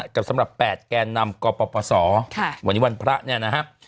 กับสำหรับ๘แก่นำกปศวันนี้วันพระนะฮะ